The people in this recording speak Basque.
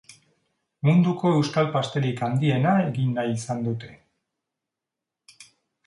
Munduko euskal pastelik handiena egin nahi izan dute.